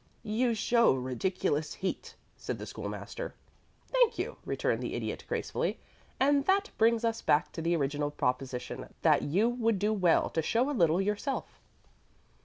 "You show ridiculous heat," said the School master. "Thank you," returned the Idiot, gracefully. "And that brings us back to the original proposition that you would do well to show a little yourself."